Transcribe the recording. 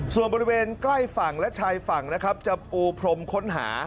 ส่วนบริเวณใกล้ฝั่งและชายฝั่งนะครับจะปูพรมค้นหา